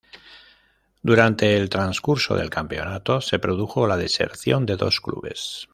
Durante el transcurso del campeonato, se produjo la deserción de dos clubes.